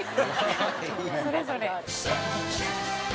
それぞれ。